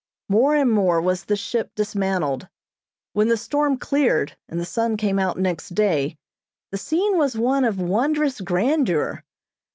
More and more was the ship dismantled. When the storm cleared, and the sun came out next day, the scene was one of wondrous grandeur.